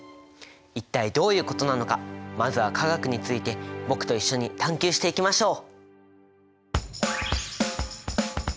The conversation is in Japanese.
一体どういうことなのかまずは化学について僕と一緒に探究していきましょう！